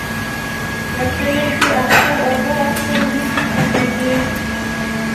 په کلي کې اختر او بل اختر وریجې پخېدې.